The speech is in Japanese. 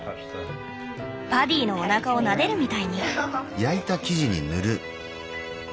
パディのおなかをなでるみたいに。